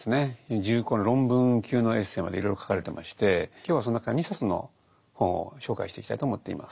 重厚な論文級のエッセイまでいろいろ書かれてまして今日はその中から２冊の本を紹介していきたいと思っています。